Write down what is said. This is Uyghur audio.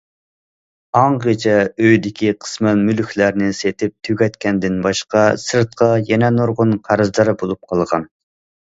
ئاڭغىچە، ئۆيدىكى قىسمەن مۈلۈكلەرنى سېتىپ تۈگەتكەندىن باشقا، سىرتقا يەنە نۇرغۇن قەرزدار بولۇپ قالغان.